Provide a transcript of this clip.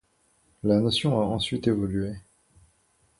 La notion a ensuite évolué.